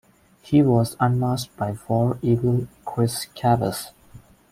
He was unmasked by "War Eagle" Chris Chavis.